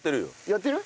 やってる？